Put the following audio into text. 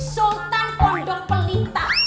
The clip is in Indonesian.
sultan kondok pelintas